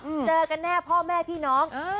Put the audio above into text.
โอ้โหเจอกันแน่พ่อแม่พี่น้อง๐๖๓๖